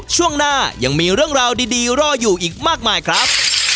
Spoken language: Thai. ช่วงหน้ายังมีเรื่องราวดีรออยู่อีกมากมายครับ